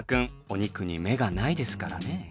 お肉に目がないですからね。